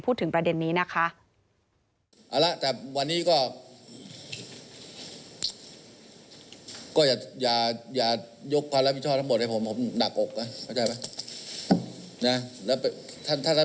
พูดถึงประเด็นนี้นะคะ